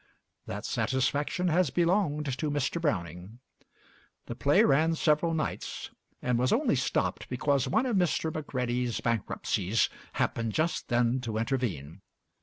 that satisfaction has belonged to Mr. Browning. The play ran several nights; and was only stopped because one of Mr. Macready's bankruptcies happened just then to intervene.